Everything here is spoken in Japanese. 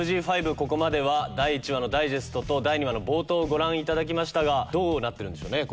ここまでは第１話のダイジェストと第２話の冒頭をご覧いただきましたがどうなってるんでしょうね？